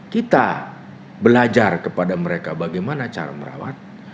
kita belajar kepada mereka bagaimana cara merawat